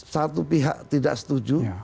satu pihak tidak setuju